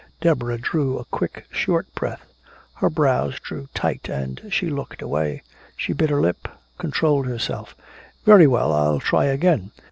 Deborah drew a quick short breath, her brows drew tight and she looked away. She bit her lip, controlled herself: "Very well, I'll try again.